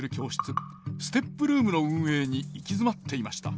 ＳＴＥＰルームの運営に行き詰まっていました。